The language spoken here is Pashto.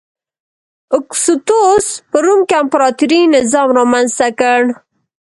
اګوستوس په روم کې امپراتوري نظام رامنځته کړ